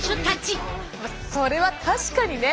それは確かにね。